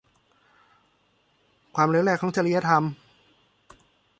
ความเหลวแหลกของจริยธรรม